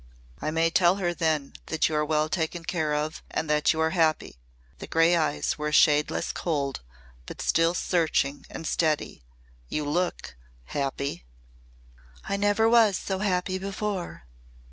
"I may tell her then that you are well taken care of and that you are happy," the grey eyes were a shade less cold but still searching and steady. "You look happy." "I never was so happy before.